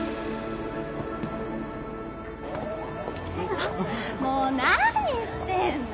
あっもう何してんの？